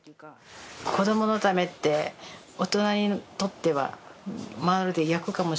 子どものためって大人にとってはまるで逆かもしれないね。